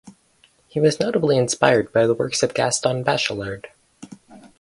He was notably inspired by the work of Gaston Bachelard.